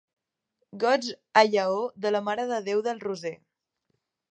Goigs a llaor de la Mare de Déu del Roser.